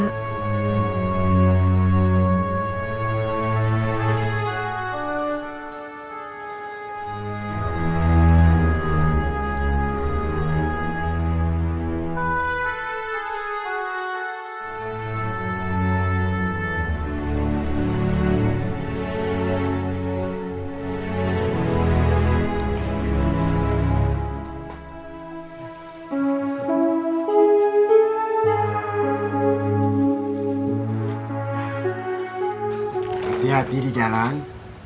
hati hati di jalan